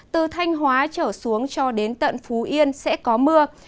từ thanh hóa trở xuống cho đến tận phú yên sẽ có mưa